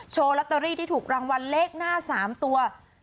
ลอตเตอรี่ที่ถูกรางวัลเลขหน้า๓ตัว